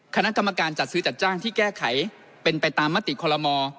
คณะกรรมการจัดซื้อจัดจ้างที่แก้ไขเป็นไปตามมติคอลโลมอ